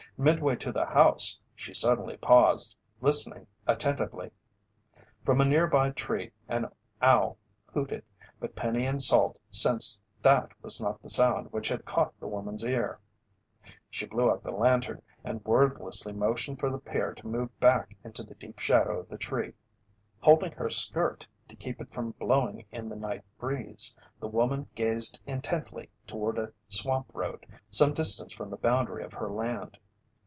Midway to the house, she suddenly paused, listening attentively. From a nearby tree an owl hooted, but Penny and Salt sensed that was not the sound which had caught the woman's ear. She blew out the lantern and wordlessly motioned for the pair to move back into the deep shadow of the tree. Holding her shirt to keep it from blowing in the night breeze, the woman gazed intently toward a swamp road some distance from the boundary of her land.